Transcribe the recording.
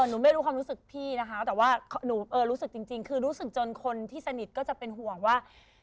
หนูไม่รู้ความรู้สึกพี่นะคะแต่ว่าหนูรู้สึกจริงคือรู้สึกจนคนที่สนิทก็จะเป็นห่วงว่า